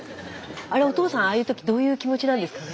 あれお父さんああいう時どういう気持ちなんですかね。